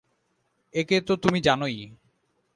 এঁকে তো তুমি জানই।